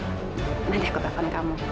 nanti aku telepon kamu